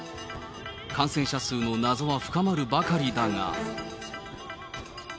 感染者数の謎は深まるばかりだが。